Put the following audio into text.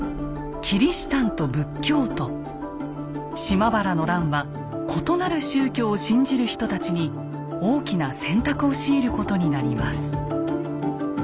島原の乱は異なる宗教を信じる人たちに大きな選択を強いることになります。